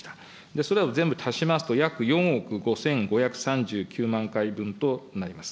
それらを全部足しますと、約４億５５３９万回分となります。